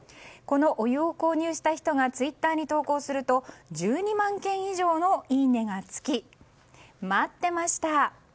このお湯を購入した人がツイッターに投稿すると１２万件以上のいいねがつき待ってました！